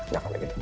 gak apa apa gitu